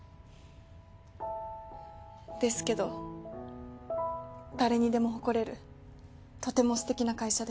ですけど誰にでも誇れるとてもすてきな会社です。